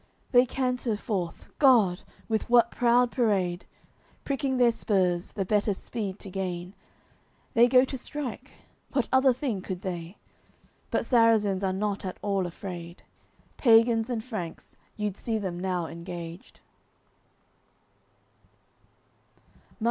They canter forth, God! with what proud parade, Pricking their spurs, the better speed to gain; They go to strike, what other thing could they? But Sarrazins are not at all afraid. Pagans and Franks, you'ld see them now engaged.